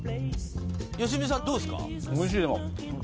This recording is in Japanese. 良純さんどうですか？